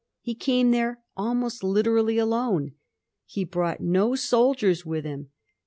He came there almost literally alone. He brought no soldiers with him.